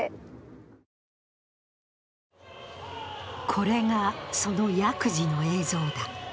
これが、その役事の映像だ。